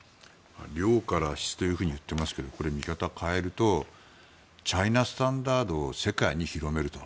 量から質というふうに言ってますけどこれ、見方を変えるとチャイナスタンダードを世界に広げると。